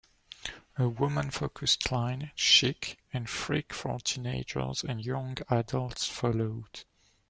A woman-focused line, Chic, and Freek for teenagers and young adults followed.